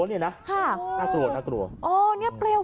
น่ากลัว